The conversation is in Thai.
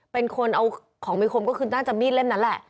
เป็นคนเอาของมีคมก็คือน่าจะมีดเล่มนั้นแหละ